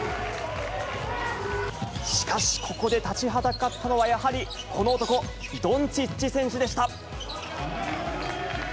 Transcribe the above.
しかしここで立ちはだかったのはやはりこの男、ドンチッチ選手でした。